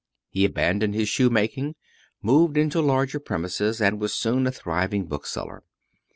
He abandoned his shoemaking, moved into larger premises, and was soon a thriving bookseller.